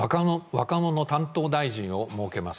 若者担当大臣を設けます。